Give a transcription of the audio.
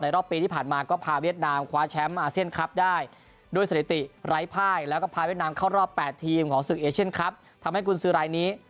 เราก็พาเวียดนามเข้ารอบ๘ทีมของศึกเอเชียนคับทำให้กุญสือไอนี้